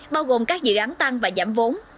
bao gồm các dự án tăng và giảm vốn